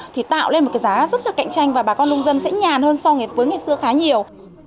thì tạo lên một cái giá rất là cạnh tranh và bà con nông dân sẽ nhàn hơn so với ngày xưa khá nhiều